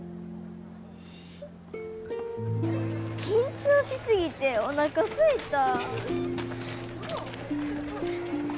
緊張し過ぎておなかすいた。